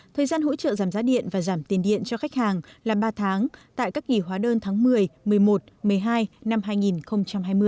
thời gian hỗ trợ giảm giá điện và giảm tiền điện cho khách hàng là ba tháng tại các nghỉ hóa đơn tháng một mươi một mươi một một mươi hai năm hai nghìn hai mươi